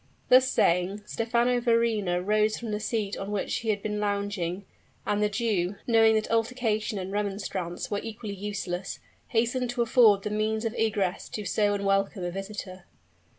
Thus saying, Stephano Verrina rose from the seat on which he had been lounging; and the Jew, knowing that altercation and remonstrance were equally useless, hastened to afford the means of egress to so unwelcome a visitor.